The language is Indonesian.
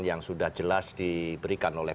yang sudah jelas diberikan oleh